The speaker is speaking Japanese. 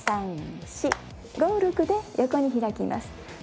５６で横に開きます。